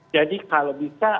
jadi kalau bisa